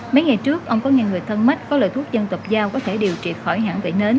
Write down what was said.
mấy ngày trước ông có nghe người thân mắt có lời thuốc dân tập giao có thể điều trị khỏi hãng vẫy nến